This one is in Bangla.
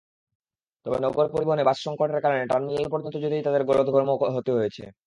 তবে নগর পরিবহনে বাসসংকটের কারণে টার্মিনাল পর্যন্ত যেতেই তাঁদের গলদঘর্ম হতে হয়েছে।